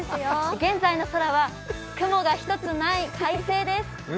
現在の空は雲一つない快晴です。